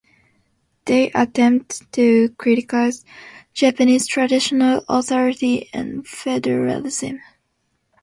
They attempted to criticise Japanese traditional authority and feudalism.